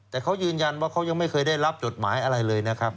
แต่เขายืนยันว่าเขายังไม่เคยได้รับจดหมายอะไรเลยนะครับ